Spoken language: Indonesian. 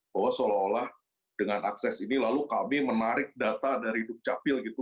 bahwa seolah olah dengan akses ini lalu kami menarik data dari dukcapil gitu